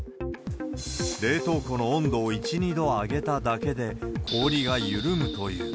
冷凍庫の温度を１、２度上げただけで、氷が緩むという。